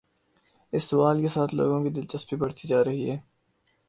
اس سوال کے ساتھ لوگوں کی دلچسپی بڑھتی جا رہی ہے۔